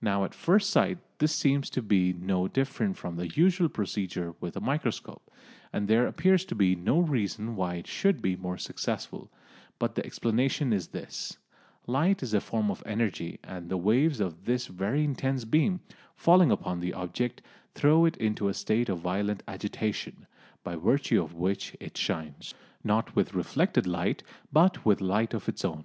Now at first sight this seems to be no different from the usual procedure with a microscope, and there appears to be no reason why it should be more successful, but the explanation is this: light is a form of energy, and the waves of this very intense beam, falling upon the object, throw it into a state of violent agitation, by virtue of which it shines, not with reflected light, but with light of its own.